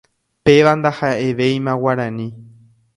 Péva ndahaʼevéima Guarani.